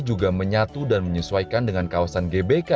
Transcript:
juga menyatu dan menyesuaikan dengan kawasan gbk